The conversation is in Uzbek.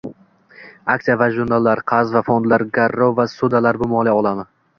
Aksiya va hujjatlar, qarz va fondlar, garov va ssudalar bu moliya olami